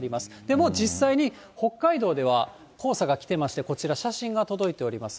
もう実際に北海道では黄砂が来てまして、こちら、写真が届いております。